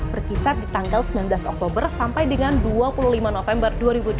berkisar di tanggal sembilan belas oktober sampai dengan dua puluh lima november dua ribu dua puluh